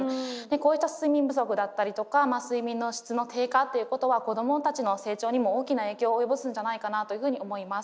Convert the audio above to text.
こういった睡眠不足だったりとか睡眠の質の低下ということは子どもたちの成長にも大きな影響を及ぼすんじゃないかなというふうに思います。